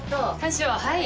はい。